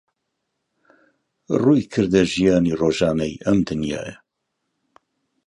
ڕوویکردە ژیانی ڕۆژانەی ئەم دنیایە